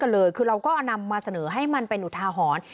เราก็นำมาเสนอให้มันเป็นหุดทาหอน